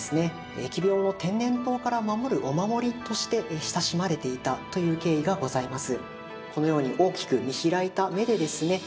疫病の天然痘から守るお守りとして親しまれていたという経緯がございます。